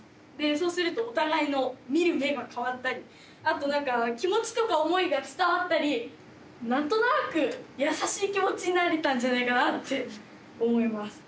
そうするとお互いの見る目が変わったりあとなんか気持ちとか思いが伝わったりなんとなく優しい気持ちになれたんじゃないかなって思います。